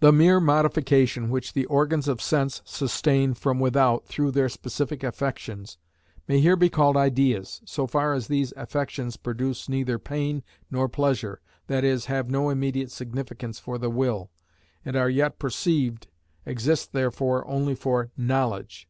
The mere modification which the organs of sense sustain from without through their specific affections, may here be called ideas, so far as these affections produce neither pain nor pleasure, that is, have no immediate significance for the will, and are yet perceived, exist therefore only for knowledge.